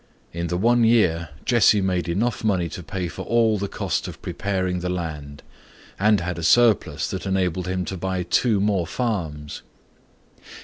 In the one year Jesse made enough money to pay for all the cost of preparing the land and had a surplus that enabled him to buy two more farms.